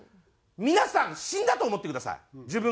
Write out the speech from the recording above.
皆さん死んだと思ってください自分が。